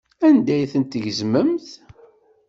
Anda ay tent-tgezmemt?